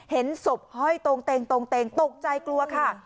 เห็นศพห้อยตรงเตงตกใจกลัวค่ะ